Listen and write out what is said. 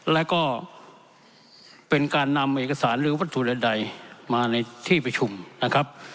แล้วก็เป็นการนำเอกสารหรือวัตถุใดมาในที่ประชุมนะครับ